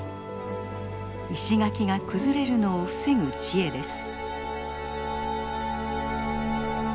石垣が崩れるのを防ぐ知恵です。